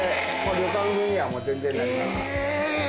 旅館風には全然なります。